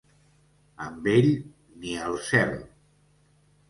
Amb ell, ni al cel.